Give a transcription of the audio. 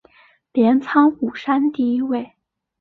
镰仓五山第一位。